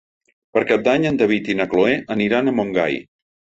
Per Cap d'Any en David i na Cloè aniran a Montgai.